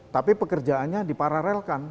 tapi pekerjaannya dipararelkan